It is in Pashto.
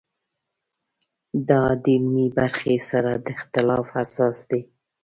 دا د علمي برخې سره د اختلاف اساس دی.